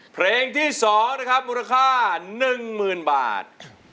เพลงที่๒นะครับมูลค่า๑๐๐๐บาท